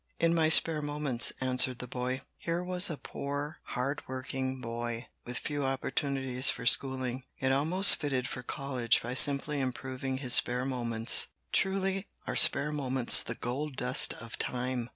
"In my spare moments," answered the boy. Here was a poor, hard working boy, with few opportunities for schooling, yet almost fitted for college by simply improving his spare moments. Truly are spare moments the "gold dust of time"!